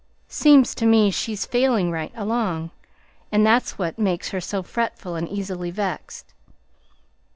Seems to me she's failing right along, and that's what makes her so fretful and easy vexed.